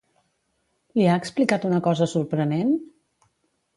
Li ha explicat una cosa sorprenent?